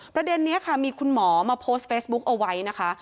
ประเด็นนี้ค่ะมีคุณหมอมาโพสต์เฟซบุ๊กเอาไว้นะคะ